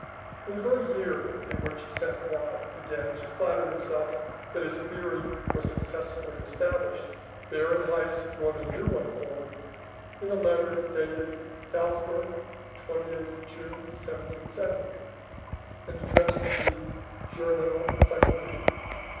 In the very year in which Sainte Foix began to flatter himself that his theory was successfully established, Baron Heiss brought a new one forward, in a letter dated "Phalsburg, 28th June 1770," and addressed to the 'Journal Enclycopedique'.